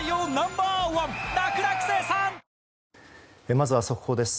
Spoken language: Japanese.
まずは速報です。